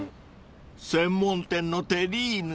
［専門店のテリーヌ。